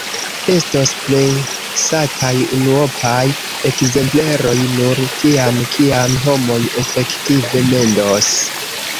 Estos presataj unuopaj ekzempleroj nur tiam, kiam homoj efektive mendos.